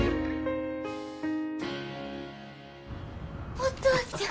お父ちゃん。